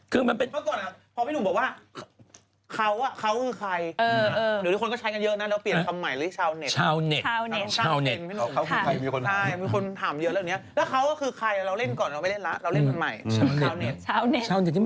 ชาวเน็ตตอนนี้ต้องเป็นชาวเน็ตนะ